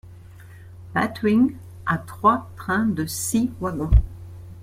Batwing a trois trains de six wagons.